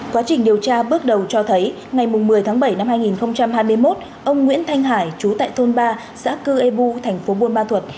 quá trình điều tra bước đầu cho thấy ngày một mươi tháng bảy năm hai nghìn hai mươi một ông nguyễn thanh hải chú tại thôn ba xã cư ê bu thành phố buôn ma thuột